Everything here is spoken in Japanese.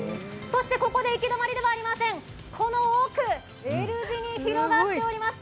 そして、ここで行き止まりではありません、この奥、Ｌ字に広がっております。